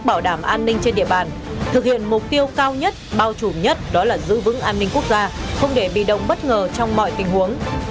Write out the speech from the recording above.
bộ trưởng tô lâm đề nghị công an tp hà nội đảng bộ chính sách bảo đảm an ninh trên địa bàn thực hiện mục tiêu cao nhất bao trùm nhất đó là giữ vững an ninh quốc gia không để bị động bất ngờ trong mọi tình huống